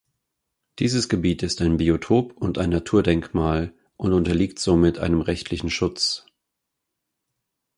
Dieses Gebiet ist ein Biotop und ein Naturdenkmal und unterliegt somit einem rechtlichen Schutz.